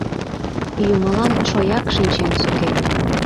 Юмылан шояк шинчен сукен.